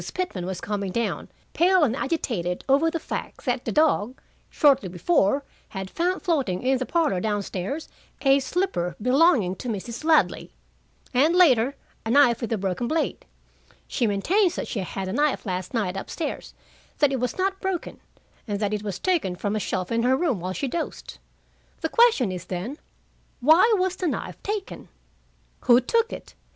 Pitman was coming down, pale and agitated over the fact that the dog, shortly before, had found floating in the parlor down stairs a slipper belonging to Mrs. Ladley, and, later, a knife with a broken blade. She maintains that she had the knife last night up stairs, that it was not broken, and that it was taken from a shelf in her room while she dozed. The question is, then: Why was the knife taken? Who took it?